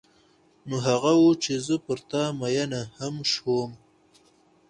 نو هغه و چې زه پر تا مینه هم شوم.